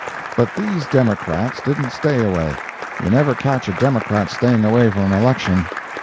But these Democrats didn't stay away—you never catch a Democrat staying away from an election.